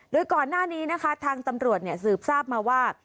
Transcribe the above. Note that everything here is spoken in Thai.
โดยก่อนหน้านี้นะคะทางตำรวจสืบทราบมาว่า